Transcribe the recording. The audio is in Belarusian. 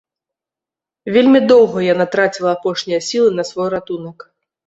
Вельмі доўга яна траціла апошнія сілы на свой ратунак.